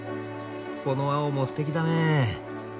この青もすてきだね。